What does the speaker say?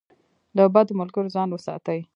له بدو ملګرو ځان وساتئ.